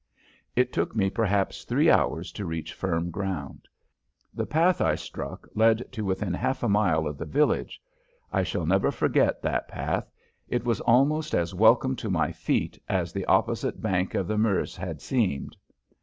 It took me perhaps three hours to reach firm ground. The path I struck led to within half a mile of the village. I shall never forget that path; it was almost as welcome to my feet as the opposite bank of the Meuse had seemed.